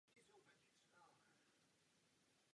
Později z Věcí veřejných vystoupil.